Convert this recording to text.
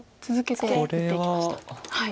これは。